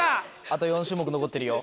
あと４種目残ってるよ。